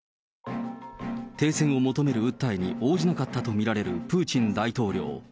停戦を求める訴えに応じなかったと見られるプーチン大統領。